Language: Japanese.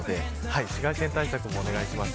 紫外線対策もお願いします。